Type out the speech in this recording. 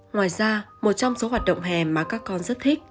ngoài ra một trong số hoạt động hè mà các con rất thích